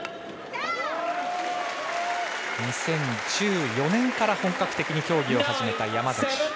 ２０１４年から本格的に競技を始めた山崎選手。